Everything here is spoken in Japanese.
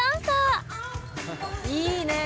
いいねえ。